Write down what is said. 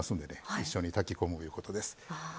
一緒に炊き込むいうことです。